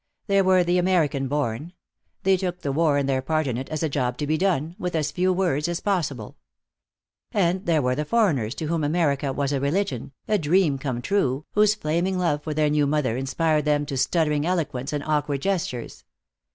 There were the American born; they took the war and their part in it as a job to be done, with as few words as possible. And there were the foreigners to whom America was a religion, a dream come true, whose flaming love for their new mother inspired them to stuttering eloquence and awkward gestures.